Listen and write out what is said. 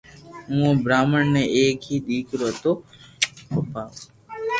ھين او براھامن ار ايڪ ھي دآڪرو ھتو